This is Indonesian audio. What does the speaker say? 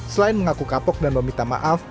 selain mengaku kapok dan meminta maaf